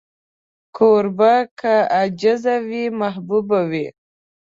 کوربه که عاجز وي، محبوب وي.